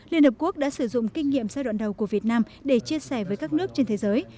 liên hợp quốc đã sử dụng kinh nghiệm giai đoạn đầu của việt nam để chia sẻ với các nước trên thế giới